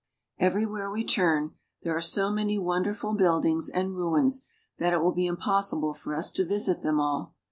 Everywhere we turn, there are so many wonderful buildings and ruins that it will be impossible for us to visit them all.